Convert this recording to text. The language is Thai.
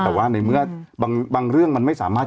แต่ว่าในเมื่อบางเรื่องมันไม่สามารถ